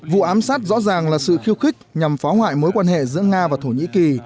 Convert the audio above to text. vụ ám sát rõ ràng là sự khiêu khích nhằm phá hoại mối quan hệ giữa nga và thổ nhĩ kỳ